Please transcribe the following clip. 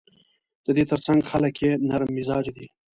د دې ترڅنګ خلک یې نرم مزاجه دي.